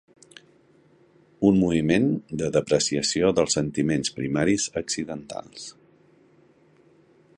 Un moviment de depreciació dels sentiments primaris accidentals.